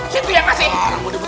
situ yang pasti